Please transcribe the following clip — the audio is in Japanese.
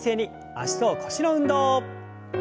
脚と腰の運動。